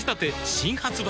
新発売